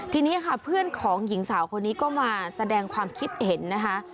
ทีนี้ค่ะเพื่อนของหญิงสาวคนนี้ก็มาแสดงความคิดเห็นนะคะ